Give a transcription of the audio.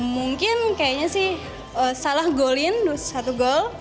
mungkin kayaknya sih salah goal in satu gol